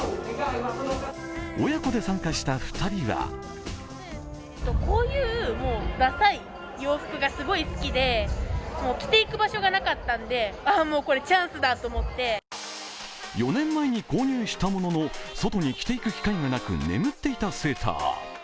親子で参加した２人は４年前に購入したものの外に着ていく機会がなく眠っていたセーター。